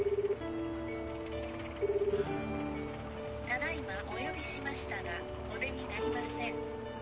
ただ今お呼びしましたがお出になりません。